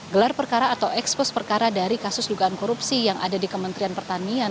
gelar perkara atau ekspos perkara dari kasus dugaan korupsi yang ada di kementerian pertanian